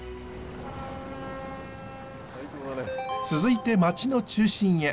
続いて町の中心へ。